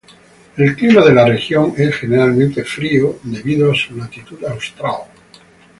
El clima de la región es generalmente frío debido a su latitud austral.